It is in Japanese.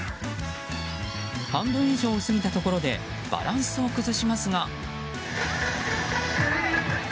半分以上を過ぎたところでバランスを崩しますが。